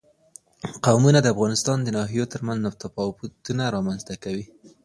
قومونه د افغانستان د ناحیو ترمنځ تفاوتونه رامنځ ته کوي.